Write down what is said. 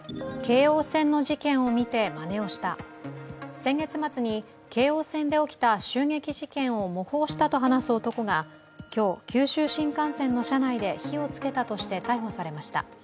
先月末に京王線で起きた襲撃事件を模倣したと話す男が今日、九州新幹線の車内で火をつけたとして逮捕されました